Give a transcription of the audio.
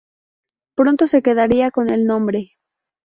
Pronto se quedaría con el nombre.